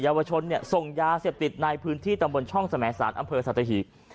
เยาวชนเนี่ยส่งยาเสพติดในพื้นที่ตรงบนช่องสมัยศาสตร์อำเภอสัตว์ฮีก